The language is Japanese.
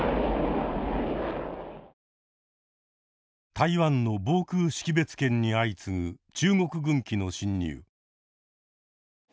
台湾の防空識別圏に相次ぐ中国軍機の進入。